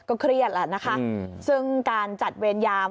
เครียดแล้วนะคะซึ่งการจัดเวรยาม